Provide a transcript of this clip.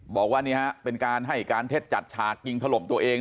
บอกว่านี่ฮะเป็นการให้การเท็จจัดฉากยิงถล่มตัวเอง